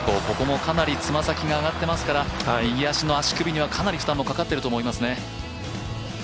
ここもかなりつま先が上がってますから右足の足首にはかなり負担がかかっていると思いますね。